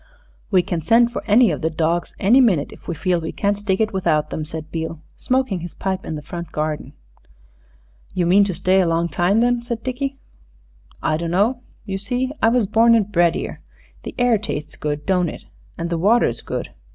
"We can send for any of the dawgs any minute if we feel we can't stick it without 'em," said Beale, smoking his pipe in the front garden. "You mean to stay a long time, then," said Dickie. "I dunno. You see, I was born and bred 'ere. The air tastes good, don't it? An' the water's good.